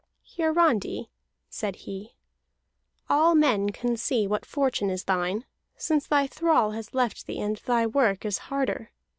"Hiarandi," said he, "all men can see what fortune is thine, since thy thrall has left thee and thy work is harder.